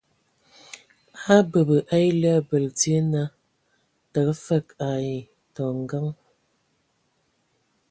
A a abəbə a ele abəl dzie naa tǝgə fəg ai tɔ ngǝŋ.